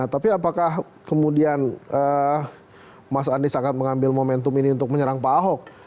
tapi apakah kemudian mas anies akan mengambil momentum ini untuk menyerang pak ahok